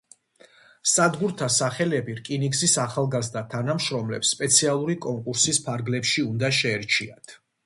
სადგურთა სახელები რკინიგზის ახალგაზრდა თანამშრომლებს სპეციალური კონკურსის ფარგლებში უნდა შეერჩიათ.